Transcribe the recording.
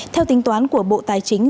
theo tính toán của bộ tài chính